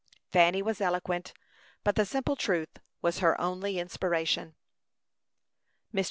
Fanny was eloquent, but the simple truth was her only inspiration. Mr.